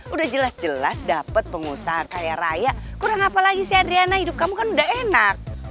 udah jelas jelas dapat pengusaha kaya raya kurang apa lagi sih adriana hidup kamu kan udah enak